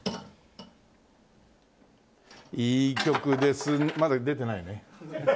いい曲ですまだ出てないね。